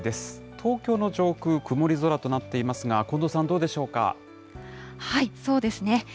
東京の上空、曇り空となっていますが、近藤さん、どうでしょうかそうですね。